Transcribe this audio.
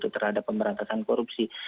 terhadap pemberantasan korupsi